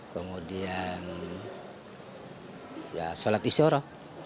kemudian ya sholat isyara